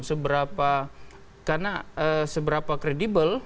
seberapa karena seberapa kredibel